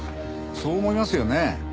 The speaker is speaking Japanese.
そう思いますよね。